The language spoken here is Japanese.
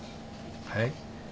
はい？